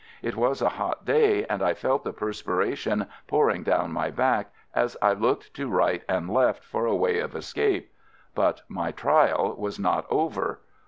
It was a hot day, and I felt the perspiration pouring down my back, as I looked to right and FIELD SERVICE 113 left for a way of escape. But my trial was not over.